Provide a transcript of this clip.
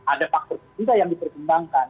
ada faktor yang diperkenalkan